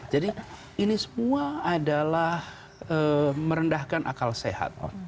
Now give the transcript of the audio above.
jadi ini semua adalah merendahkan akal sehat